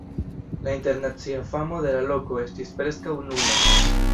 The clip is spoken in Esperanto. La internacia famo de la loko estis preskaŭ nula.